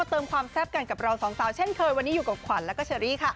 เติมความแซ่บกันกับเราสองสาวเช่นเคยวันนี้อยู่กับขวัญแล้วก็เชอรี่ค่ะ